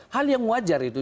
hal yang wajar itu